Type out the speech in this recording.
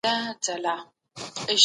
هیوادونه ولي نړیوالي اړیکي پراخوي؟